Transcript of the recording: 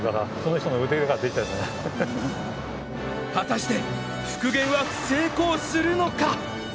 果たして復元は成功するのか？